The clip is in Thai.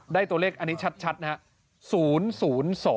ตัวเลขอันนี้ชัดนะครับ